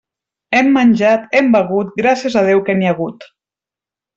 Hem menjat, hem begut, gràcies a Déu que n'hi ha hagut.